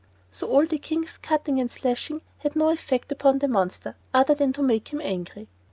So all the King's cutting and slashing had no effect upon the monster other than to make him angry.